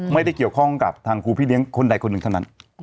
ไม่ได้เกี่ยวข้องกับทางครูพี่เลี้ยงคนใดคนหนึ่งเท่านั้น